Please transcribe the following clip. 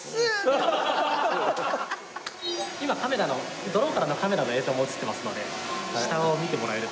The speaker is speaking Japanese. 今ドローンからのカメラの映像も映ってますので下を見てもらえると。